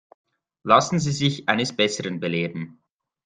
Lassen Sie sich eines Besseren belehren.